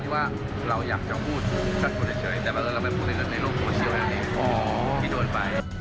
สวัสดีครับ